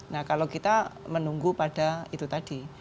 nah kalau kita menunggu pada itu tadi